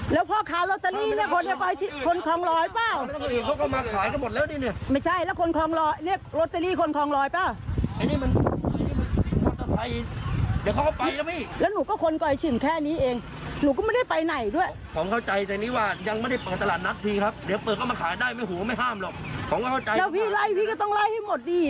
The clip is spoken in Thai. แล้วพี่ไล่พี่ก็ต้องไล่ให้หมดดี